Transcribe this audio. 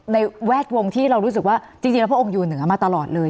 แวดวงที่เรารู้สึกว่าจริงแล้วพระองค์อยู่เหนือมาตลอดเลย